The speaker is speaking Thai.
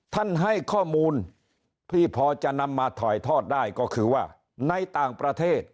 ให้ข้อมูลที่พอจะนำมาถ่ายทอดได้ก็คือว่าในต่างประเทศ